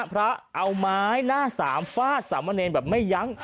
พระเอาไม้หน้าสามฟาดสามเณรแบบไม่ยั้ง